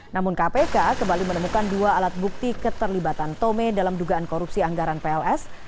namun kpk kembali menemukan dua alat bukti keterlibatan tome dalam dugaan korupsi anggaran pls